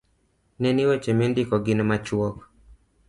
Ne ni weche mindiko gin machuok